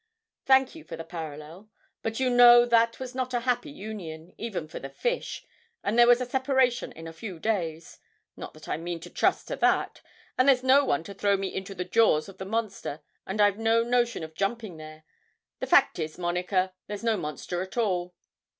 'Thank you for the parallel, but you know that was not a happy union, even for the fish, and there was a separation in a few days; not that I mean to trust to that; but there's no one to throw me into the jaws of the monster, and I've no notion of jumping there; and the fact is, Monica, there's no monster at all.'